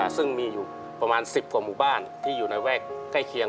ซึ่งมีอยู่ประมาณ๑๐กว่าหมู่บ้านที่อยู่ในแวกใกล้เคียง